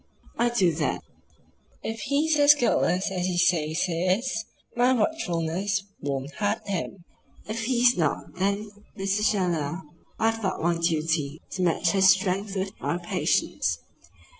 "I do that. If he's as guiltless as he says he is, my watchfulness won't hurt him. If he's not, then, Mr. Challoner, I've but one duty; to match his strength with my patience.